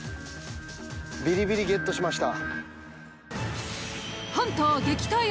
ビリビリゲットしました。